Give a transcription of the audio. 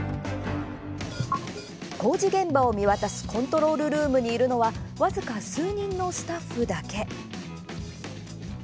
工事現場を見渡すコントロールルームにいるのは僅か数人のスタッフだけ。